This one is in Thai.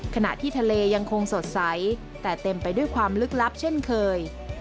ขณะที่ทะเลยังคงสดใสแต่เต็มไปด้วยความลึกลับเช่นเคย